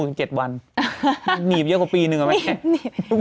นางหนีบเยอะกว่าปีหนึ่งเรื่อยมาก